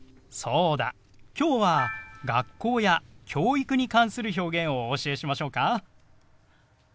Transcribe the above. そうだ今日は学校や教育に関する表現をお教えしましょうか？